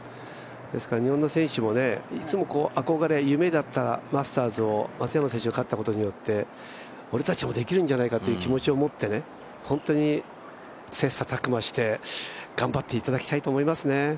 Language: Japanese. ですから日本の選手もいつも憧れ、夢だったマスターズを松山選手が勝ったことによって、俺たちもできるんじゃないかという気持ちを持って切磋琢磨して頑張っていただきたいと思いますね。